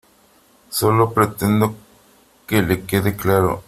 solo pretendo que le quede claro .